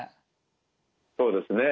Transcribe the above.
そうですね。